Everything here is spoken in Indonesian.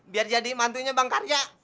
biar jadi mantunya bang karya